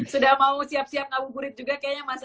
sudah mau siap siap ngabuburit juga kayaknya mbak sadiq